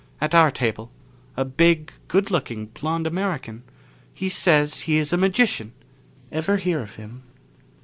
At our table a big, good looking blond American. He says he is a magician. Ever hear of him?"